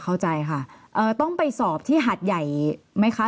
เข้าใจค่ะต้องไปสอบที่หัดใหญ่ไหมคะ